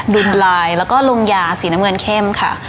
ดุลลายแล้วก็ลงยาสีน้ำเงินเข้มค่ะ